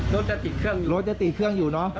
รถจะติดเครื่องรถจะติดเครื่องอยู่เนอะ